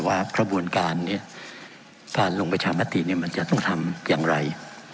ว่าขบวนการเนี่ยผ่านลงประชามาติเนี่ยมันจะต้องทำอย่างไร